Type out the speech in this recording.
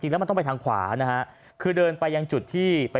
แล้วมันต้องไปทางขวานะฮะคือเดินไปยังจุดที่ไป